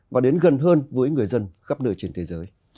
và đến gần hơn với người dân khắp nơi trên thế giới